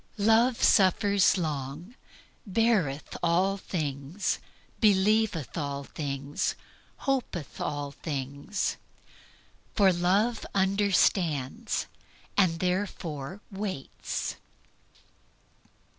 Love suffers long; beareth all things; believeth all things; hopeth all things. For Love understands, and therefore waits.